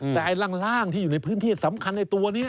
แต่ไอ้ร่างที่อยู่ในพื้นที่สำคัญไอ้ตัวนี้